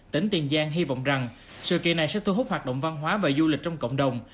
tỉnh tiền giang hy vọng rằng sự kỳ này sẽ thu hút hoạt động văn hóa và du lịch trong cộng đồng